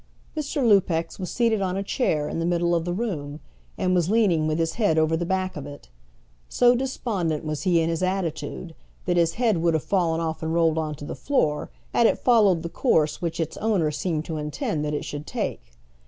Mr. Lupex was seated on a chair in the middle of the room, and was leaning with his head over the back of it. So despondent was he in his attitude that his head would have fallen off and rolled on to the floor, had it followed the course which its owner seemed to intend that it should take.